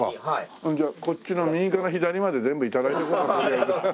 それじゃあこっちの右から左まで全部頂いていこうかとりあえず。